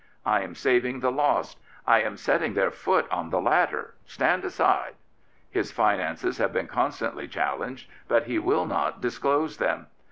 I am saving the lost; I am setting their foot on the ladder; stand aside. His finances have been constantly challenged, but he will not disclose them.